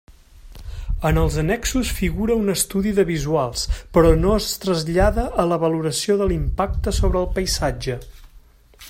En els annexos figura un estudi de visuals, però no es trasllada a la valoració de l'impacte sobre el paisatge.